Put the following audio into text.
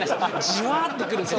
じゅわってくるんです。